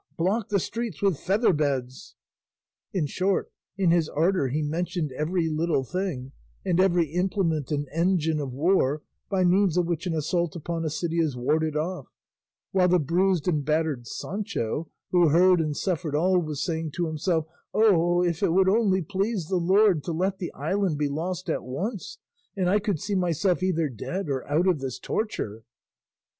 Block the streets with feather beds!" In short, in his ardour he mentioned every little thing, and every implement and engine of war by means of which an assault upon a city is warded off, while the bruised and battered Sancho, who heard and suffered all, was saying to himself, "O if it would only please the Lord to let the island be lost at once, and I could see myself either dead or out of this torture!"